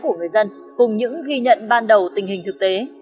của người dân cùng những ghi nhận ban đầu tình hình thực tế